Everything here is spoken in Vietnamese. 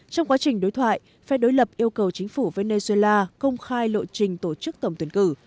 trong quá trình đối thoại phe đối lập yêu cầu chính phủ venezuela công khai lộ trình tổ chức tổng tuyển cử